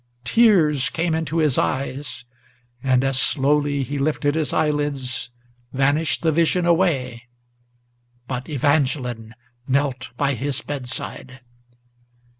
Tears came into his eyes; and as slowly he lifted his eyelids, Vanished the vision away, but Evangeline knelt by his bedside.